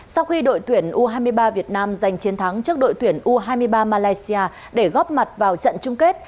sau khi đội tuyển u hai mươi ba việt nam giành chiến thắng trước đội tuyển u hai mươi ba malaysia để góp mặt vào trận chung kết